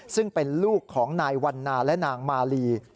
ซึ่งเป็นลูกของนายวันนาและนางมาลี